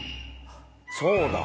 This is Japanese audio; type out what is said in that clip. そうだ！